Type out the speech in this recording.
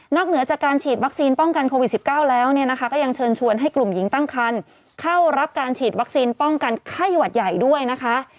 เหนือจากการฉีดวัคซีนป้องกันโควิด๑๙แล้วเนี่ยนะคะก็ยังเชิญชวนให้กลุ่มหญิงตั้งคันเข้ารับการฉีดวัคซีนป้องกันไข้หวัดใหญ่ด้วยนะคะ